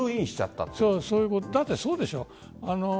だってそうでしょ。